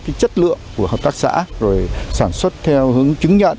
cái chất lượng của hợp tác xã rồi sản xuất theo hướng chứng nhận